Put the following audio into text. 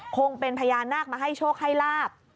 คงเป็นพญานาคมาให้โชคให้ลาบ